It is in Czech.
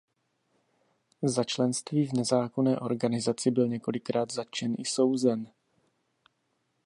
Za členství v nezákonné organizaci byl několikrát zatčen i souzen.